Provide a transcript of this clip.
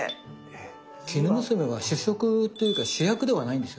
きぬむすめは主食というか主役ではないんですよね。